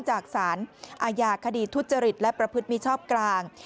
จากสารอาญาคดีทุจริตและประพฤติมิชอบกลาง